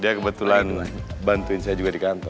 dia kebetulan bantuin saya juga di kantor